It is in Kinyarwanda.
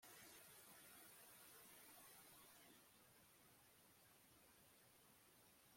mariya akunze kwambara amajipo maremare cyane